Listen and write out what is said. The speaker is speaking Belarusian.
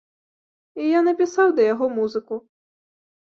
І я напісаў да яго музыку.